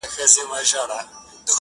چي خاوند به له بازاره راغی کورته!.